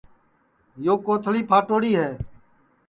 یو کوتݪی پھاٹوڑی ہے